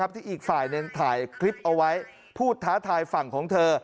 ที่อีกฝ่ายถ่ายคลิปเอาไว้พูดท้าทายฝั่งของเธอ